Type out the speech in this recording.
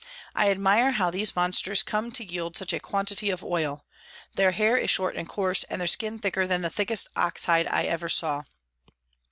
I admire how these Monsters come to yield such a quantity of Oil. Their Hair is short and coarse, and their Skin thicker than the thickest Ox Hide I ever saw.